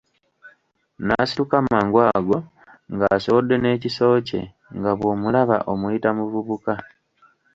N'asituka mangu ago ng'asowodde n'ekiso kye, nga bw'omulaba omuyita muvubuka.